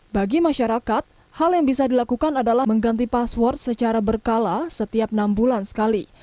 bagi masyarakat hal yang bisa dilakukan adalah mengganti password secara berkala setiap enam bulan sekali